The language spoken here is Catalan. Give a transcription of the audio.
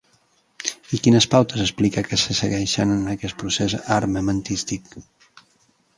I quines pautes explica que se segueixen en aquest procés armamentístic?